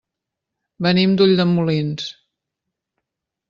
Venim d'Ulldemolins.